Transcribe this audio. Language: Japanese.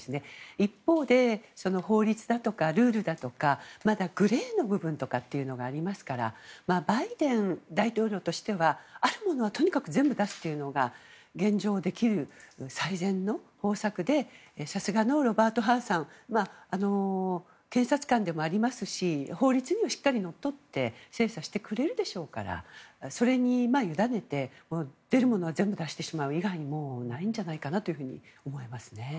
一方で、法律だとかルールだとかまだグレーの部分とかがありますからバイデン大統領としてはあるものはとにかく全部とにかく出すというのが現状できる最善の方策でさすがのロバート・ハーさん検察官でもありますし法律にもしっかりのっとって精査してくれるでしょうからそれに委ねて、出るものは全部出してしまう以外にないんじゃないかなと思いますね。